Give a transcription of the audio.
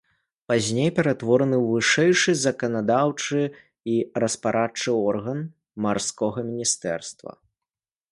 Пазней ператвораны ў вышэйшы заканадаўчы і распарадчы орган марскога міністэрства.